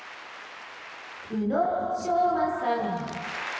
「宇野昌磨さん」。